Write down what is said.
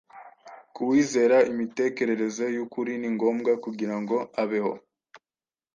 Ku wizera, imitekerereze y’ukuri ni ngombwa kugira ngo abeho